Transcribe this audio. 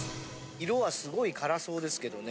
色はすごい辛そうですけどね。